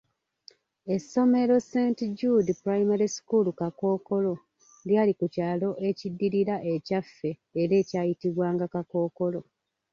Essomero Saint Jude Primary School Kakookolo lyali ku kyalo ekiddirira ekyaffe era ekyayitibwanga Kakookolo.